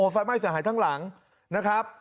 ไฟไหม้เสียหายทั้งหลังนะครับ